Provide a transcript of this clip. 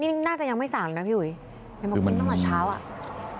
นี่น่าจะยังไม่สามารถนะพี่อุ๋ยยังไม่คุ้นตั้งแต่เช้าอะ